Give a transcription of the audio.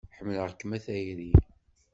Ḥemmleɣ-kem a tayri.